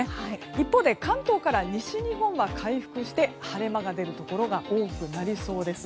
一方で関東から西日本は回復して晴れ間が出るところが多くなりそうです。